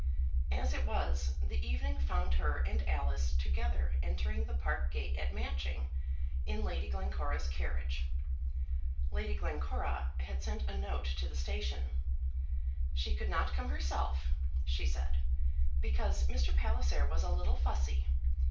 As it was, the evening found her and Alice together entering the park gate at Matching, in Lady Glencora's carriage. Lady Glencora had sent a note to the station. "She could not come herself," she said, "because Mr. Palliser was a little fussy.